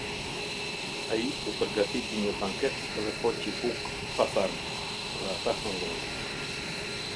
Ai u përgatiti një banket dhe poqi bukë pa tharm, dhe ata hëngrën.